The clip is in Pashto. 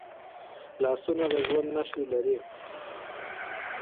لاسونه د ژوند نښې لري